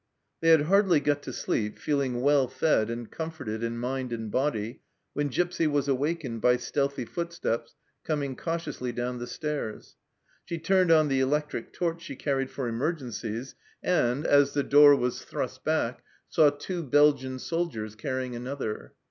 They had hardly got to sleep, feeling well fed and comforted in mind and body, when Gipsy was awakened by stealthy footsteps coming cautiously down the stairs. She turned on the electric torch she carried for emergencies, and, as the door was 158 THE CELLAR HOUSE OF PERVYSE thrust back, saw two Belgian soldiers carrying another.